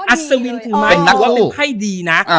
อัศวินถือไม้นับว่าเป็นไพ่ดีนะ